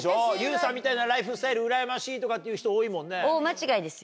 ＹＯＵさんみたいなライフスタイルうらやましいとかって言う人多いもんね。